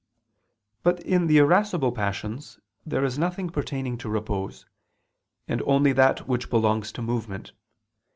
But in the irascible passions there is nothing pertaining to repose, and only that which belongs to movement.